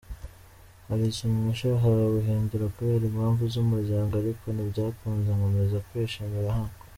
"Hari ikintu nashakaga guhindura kubera impamvu z'umuryango ariko ntibyakunze, nkomeza kwishimira hano.